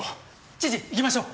知事行きましょう。